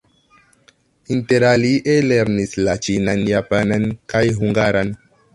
Interalie lernis la ĉinan, japanan kaj hungaran.